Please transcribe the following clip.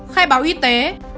khai báo y tế